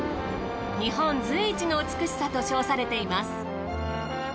日本随一の美しさと称されています。